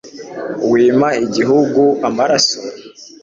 wima igihugu amaraso